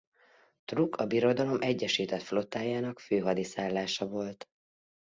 Truk a birodalom egyesített flottájának főhadiszállása volt.